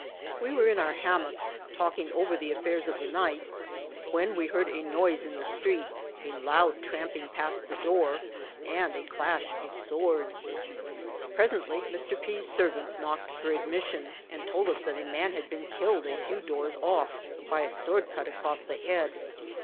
We were in our hammocks, talking over the affairs of the night, when we heard a noise in the street, a loud tramping past the door, and a clash of swords. Presently Mr. P.'s servant knocked for admission, and told us that a man had been killed a few doors off by a sword cut across the head.